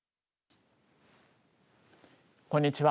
こんにちは。